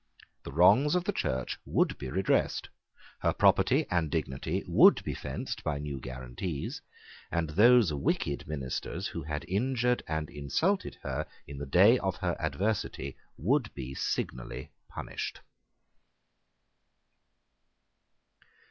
The wrongs of the Church would be redressed, her property and dignity would be fenced by new guarantees; and those wicked ministers who had injured and insulted her in the day of her adversity would be signally punished.